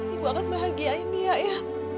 ibu akan bahagiain nia ya